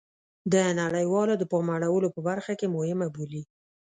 د نړیواله د پام اړولو په برخه کې مهمه بولي